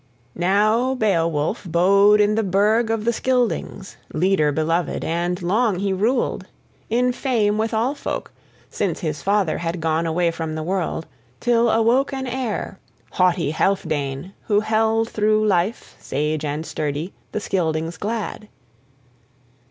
I Now Beowulf bode in the burg of the Scyldings, leader beloved, and long he ruled in fame with all folk, since his father had gone away from the world, till awoke an heir, haughty Healfdene, who held through life, sage and sturdy, the Scyldings glad.